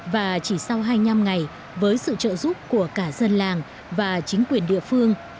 và chỉ sau hai mươi năm ngày với sự trợ giúp của cả dân làng và chính quyền địa phương